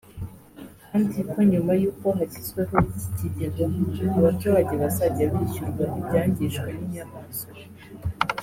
kandi ko nyuma y’uko hashyizweho iki kigega abaturage bazajya bishyurwa ibyangijwe n’inyamaswa